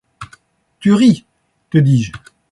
Tu ris, te dis-je.